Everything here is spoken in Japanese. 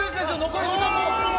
残り時間もう。